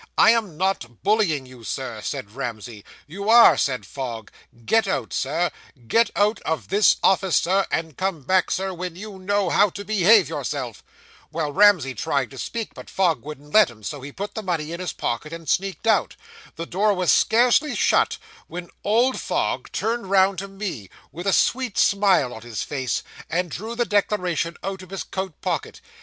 "I am not bullying you, sir," said Ramsey. "You are," said Fogg; "get out, sir; get out of this office, Sir, and come back, Sir, when you know how to behave yourself." Well, Ramsey tried to speak, but Fogg wouldn't let him, so he put the money in his pocket, and sneaked out. The door was scarcely shut, when old Fogg turned round to me, with a sweet smile on his face, and drew the declaration out of his coat pocket.